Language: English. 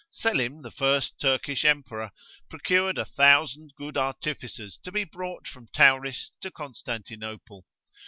Selym the first Turkish emperor procured a thousand good artificers to be brought from Tauris to Constantinople.